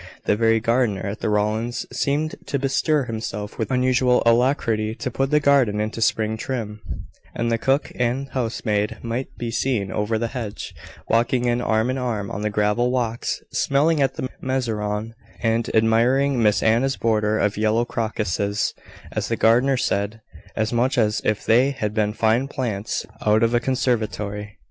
The very gardener at the Rowlands' seemed to bestir himself with unusual alacrity to put the garden into spring trim; and the cook and housemaid might be seen over the hedge, walking arm in arm on the gravel walks, smelling at the mezereon, and admiring Miss Anna's border of yellow crocuses, as the gardener said, as much as if they had been fine plants out of a conservatory.